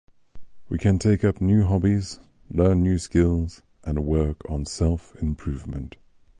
We can take up new hobbies, learn new skills, and work on self-improvement.